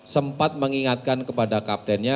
sempat mengingatkan kepada kaptennya